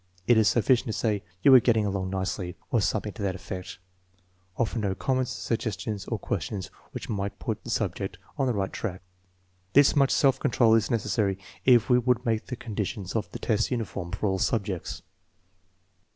'* It is sufficient to say, " You are getting along nicely," or something to that effect. Offer no comments, suggestions, or questions which might put the subject on the right track. This much self control is necessary if we would make the conditions of the test uniform for all subjects.